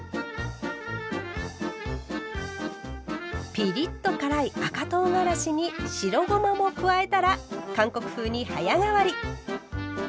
ピリッと辛い赤とうがらしに白ごまも加えたら韓国風に早変わり。